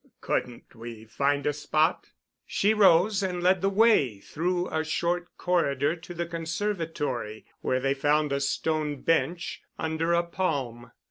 "Couldn't we find a spot?" She rose and led the way through a short corridor to the conservatory, where they found a stone bench under a palm.